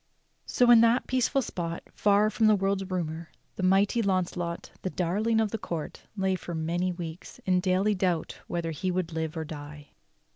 So in that peaceful spot, far from the world's rumor, the mighty Launcelot, the darling of the court, lay for many weeks in daily doubt whether he would live or die.